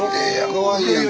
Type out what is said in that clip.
かわいいやんか